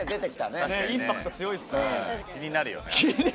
インパクト強いですよね。